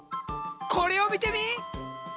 これを見てみ！